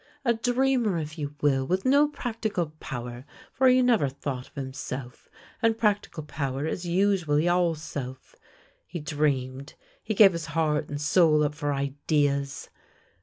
" A dreamer if you will, with no practical power, for he never thought of himself, and practical power is usually all self. He dreamed — he gave his heart and soul up for ideas.